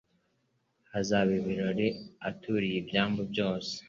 Hazaba ibirori Aturiye ibyambu byose,